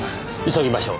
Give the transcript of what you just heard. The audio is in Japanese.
急ぎましょう。